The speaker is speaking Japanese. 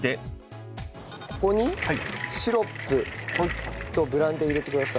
ここにシロップとブランデー入れてください。